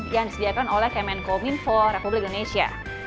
yang disediakan oleh kemenko minfo republik indonesia